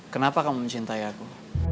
kenapa kamu mencintai aku